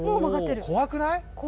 怖くない？